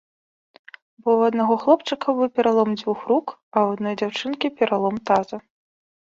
Бо ў аднаго хлопчыка быў пералом дзвюх рук, а ў адной дзяўчынкі пералом таза.